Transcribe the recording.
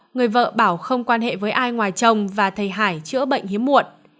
người vợ bảo không quan hệ với ai ngoài chồng và thầy hải chữa bệnh hiếm muộn